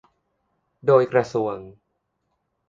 โดยกระทรวง